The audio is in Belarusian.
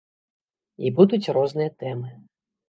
І будуць розныя тэмы.